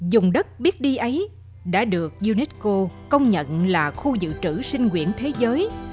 dùng đất biết đi ấy đã được unesco công nhận là khu dự trữ sinh quyển thế giới